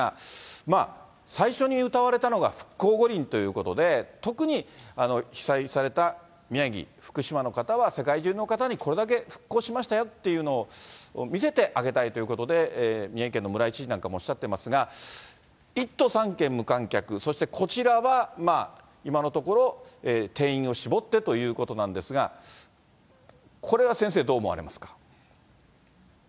まあ、最初にうたわれたのは、復興五輪ということで、特に被災された宮城、福島の方は、世界中の方にこれだけ復興しましたよっていうのを、見せてあげたいということで、宮城県の村井知事なんかもおっしゃっていますが、１都３県無観客、そしてこちらは今のところ、定員を絞ってということなんですが、これは先生、どう思われますか？